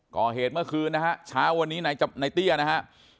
ก่อเหตุเมื่อคืนนะฮะเช้าวันนี้ในเตี้ยนะฮะ